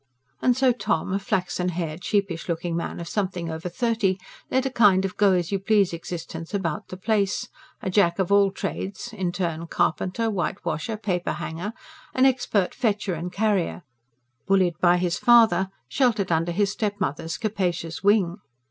And so Tom, a flaxen haired, sheepish looking man of something over thirty, led a kind of go as you please existence about the place, a jack of all trades in turn carpenter, whitewasher, paper hanger an expert fetcher and carrier, bullied by his father, sheltered under his stepmother's capacious wing.